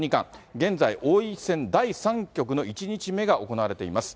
現在、王位戦第３局の１日目が行われています。